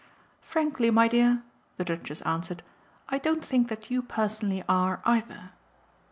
"Frankly, my dear," the Duchess answered, "I don't think that you personally are either."